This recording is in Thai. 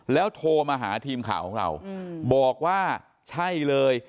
แล้วโทรมาหาทีมข่าวของเราบอกว่าใช่เลย